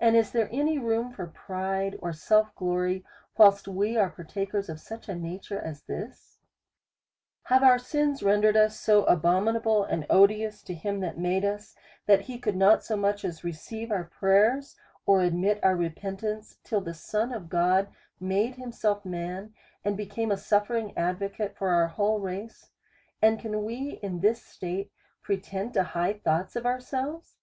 And is there any room for pride or self glory, whilst we are partakers of such a nature as this .' Have our sins rendered us so abominable and odious to him that made us, that he could not so much as re ceive our prayerSj or admit oup repentance, till the Son of God made himself man, and became a suttering" ad vocate for our whole race ; and can we in this state pretend to high thoughts of ourselves?